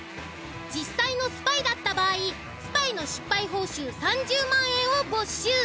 実際のスパイだった場合スパイの失敗報酬３０万円を没収。